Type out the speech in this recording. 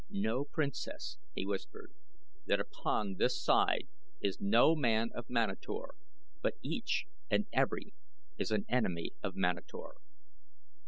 Know Princess," he whispered, "that upon this side is no man of Manator, but each and every is an enemy of Manator."